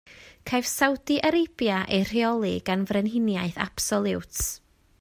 Caiff Saudi Arabia ei rheoli gan frenhiniaeth absoliwt.